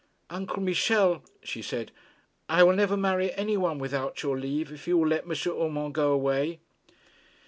'Uncle Michel,' she said, 'I will never marry any one without your leave, if you will let M. Urmand go away.'